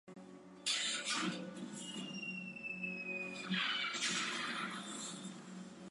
现代农业科学已经极大地减少了耕作的使用。